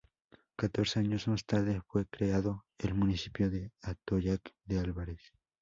Catorce años más tarde, fue creado el municipio de Atoyac de Álvarez.